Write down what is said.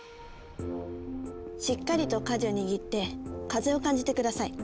しっかりと舵を握って風を感じて下さい。